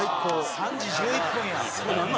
３時１１分や！